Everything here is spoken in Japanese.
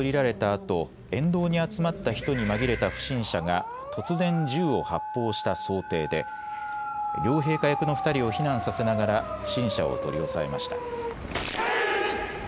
あと沿道に集まった人に紛れた不審者が突然、銃を発砲した想定で両陛下役の２人を避難させながら不審者を取り押さえました。